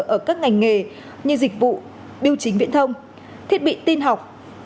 ở các ngành nghề như dịch vụ biểu chính viễn thông thiết bị tin học